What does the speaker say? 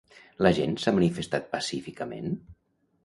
La gent s'ha manifestat pacíficament?